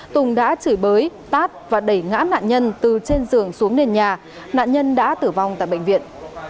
tùng đã chửi bới tát và đẩy ngã nạn nhân từ trên giường xuống nền nhà nạn nhân đã tử vong tại bệnh viện